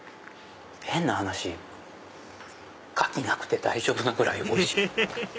変な話カキなくて大丈夫なぐらいおいしい。